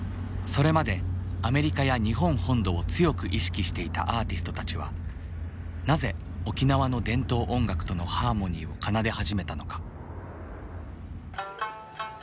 それまでアメリカや日本本土を強く意識していたアーティストたちはなぜ沖縄の伝統音楽とのハーモニーを奏で始めたのか。